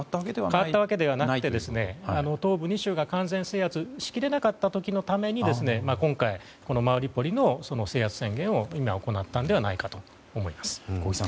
変わったわけではなくて東部２州が完全制圧しきれなかった時のために今回、マリウポリの制圧制限を今、行ったのではないかと思います。